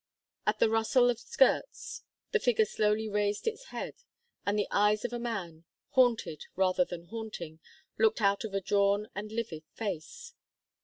At the rustle of skirts the figure slowly raised its head, and the eyes of a man, haunted rather than haunting, looked out of a drawn and livid face.